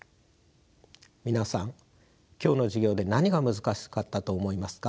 皆さん今日の授業で何が難しかったと思いますか？